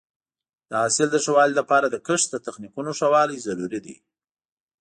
د حاصل د ښه والي لپاره د کښت د تخنیکونو ښه والی ضروري دی.